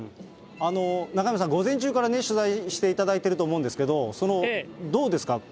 中山さん、午前中から取材していただいていると思うんですけれども、その、どうですか？